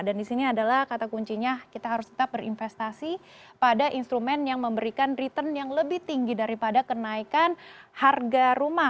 dan di sini adalah kata kuncinya kita harus tetap berinvestasi pada instrumen yang memberikan return yang lebih tinggi daripada kenaikan harga rumah